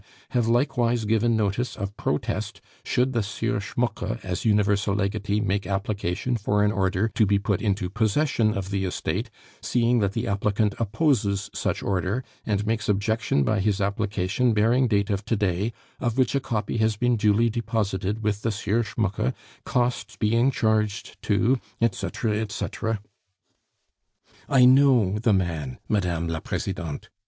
have likewise given notice of protest, should the Sieur Schmucke as universal legatee make application for an order to be put into possession of the estate, seeing that the applicant opposes such order, and makes objection by his application bearing date of to day, of which a copy has been duly deposited with the Sieur Schmucke, costs being charged to... etc., etc.' "I know the man, Mme. le Presidente.